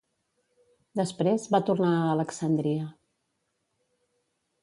Després va tornar a Alexandria.